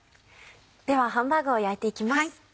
ではハンバーグを焼いていきます。